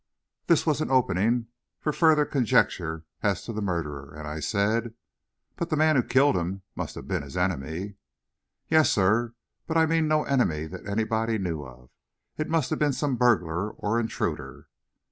This was an opening for further conjecture as to the murderer, and I said: "But the man who killed him must have been his enemy." "Yes, sir; but I mean no enemy that anybody knew of. It must have been some burglar or intruder."